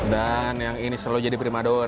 dan yang ini selalu jadi primadona